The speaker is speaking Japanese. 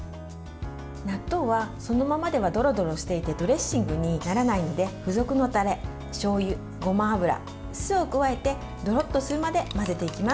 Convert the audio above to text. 納豆は、そのままではどろどろしていてドレッシングにならないので付属のタレ、しょうゆごま油、酢を加えてドロッとするまで混ぜていきます。